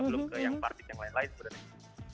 belum ke yang partik yang lain lain sebenarnya